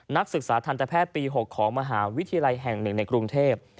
นักศึกษาทันตแพทย์ปี๖ของมหาวิทยาลัยแห่ง๑ในกรุงเทพ